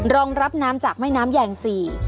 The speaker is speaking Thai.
รองรับน้ำจากแม่น้ำแยงสี่